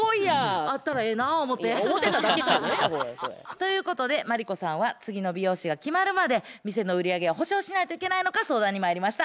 ということでマリコさんは次の美容師が決まるまで店の売り上げを補償しないといけないのか相談にまいりました。